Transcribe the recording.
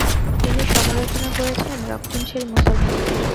তিনি সমালোচনা করেছেন রক্ষণশীল মুসলমানদের।